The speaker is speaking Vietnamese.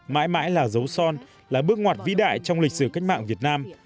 mãi mãi là dấu son là bước ngoặt vĩ đại trong lịch sử cách mạng việt nam